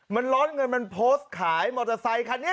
มันร้อนเงินมันโพสต์ขายมอเตอร์ไซคันนี้